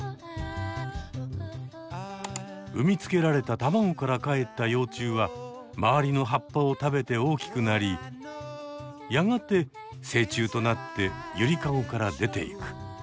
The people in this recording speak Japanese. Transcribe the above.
産み付けられた卵からかえった幼虫は周りの葉っぱを食べて大きくなりやがて成虫となってユリカゴから出ていく。